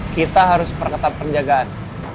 kita harus perketat penjagaan